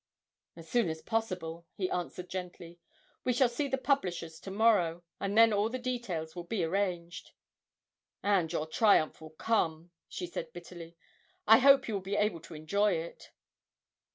'As soon as possible,' he answered gently. 'We shall see the publishers to morrow, and then all the details will be arranged.' 'And your triumph will come,' she said bitterly. 'I hope you will be able to enjoy it!'